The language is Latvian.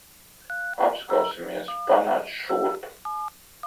Apskausimies. Panāc šurp.